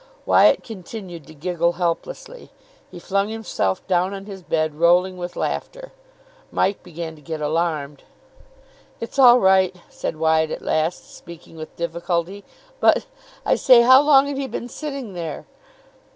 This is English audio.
Wyatt continued to giggle helplessly. He flung himself down on his bed, rolling with laughter. Mike began to get alarmed. "It's all right," said Wyatt at last, speaking with difficulty. "But, I say, how long had he been sitting there?"